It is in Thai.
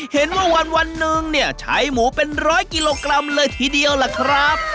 เห็นว่าวันหนึ่งเนี่ยใช้หมูเป็นร้อยกิโลกรัมเลยทีเดียวล่ะครับ